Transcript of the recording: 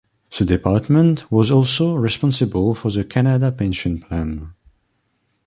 The department was also responsible for the Canada Pension Plan.